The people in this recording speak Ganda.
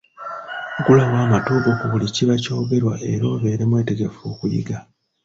Ggulawo amatu go ku buli kiba kyogerwa era obeere mwetegefu okuyiga.